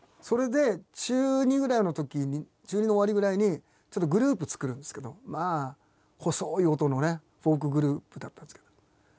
それで中２ぐらいのときに中２の終わりぐらいにちょっとグループ作るんですけどまあ細い音のねフォークグループだったんですけど。